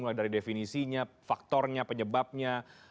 mulai dari definisinya faktornya penyebabnya